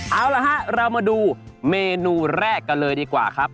เอาล่ะฮะเรามาดูเมนูแรกกันเลยดีกว่าครับ